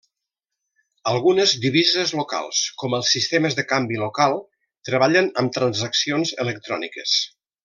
Algunes divises locals, com els sistemes de canvi local, treballen amb transaccions electròniques.